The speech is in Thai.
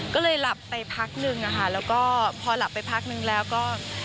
ก็เลยหลับไปพักนึงอะค่ะแล้วก็พอหลับไปพักนึงแล้วก็